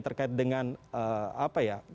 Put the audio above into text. terkait dengan apa ya